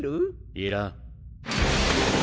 いらん。